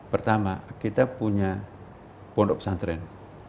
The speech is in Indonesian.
pertama kita punya pondok pesantren